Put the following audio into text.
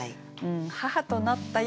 「母となったよ」